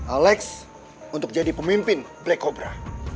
alex untuk jadi pemimpin black cobra